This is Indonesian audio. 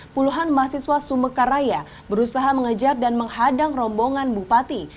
puluhan mahasiswa sumekaraya berusaha mengejar dan menghadang rombongan bupati